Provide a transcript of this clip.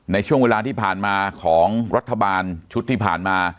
ในช่วงเวลาที่ผ่านมาของรัฐบาลชุดที่ผ่านมา